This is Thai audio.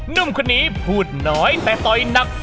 นุ่มคนนี้พูดหน่อยแต่โต๊ยหนัก